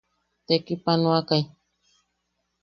Tekipanoakai.